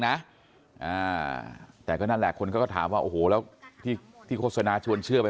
นะอ่าแต่ก็นั่นแหละคนเขาก็ถามว่าโอ้โหแล้วที่ที่โฆษณาชวนเชื่อไป